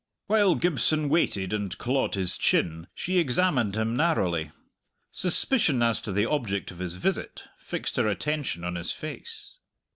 While Gibson waited and clawed his chin she examined him narrowly. Suspicion as to the object of his visit fixed her attention on his face.